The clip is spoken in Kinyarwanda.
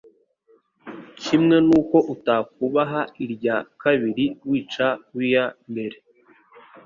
kimwe n'uko utakubaha irya kabiri wica uya mbere.